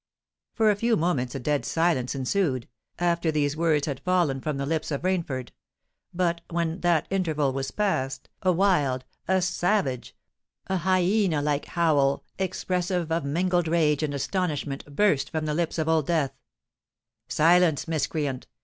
For a few moments a dead silence ensued, after these words had fallen from the lips of Rainford: but, when that interval was past, a wild—a savage—a, hyena like howl, expressive of mingled rage and astonishment, burst from the lips of Old Death. "Silence, miscreant!"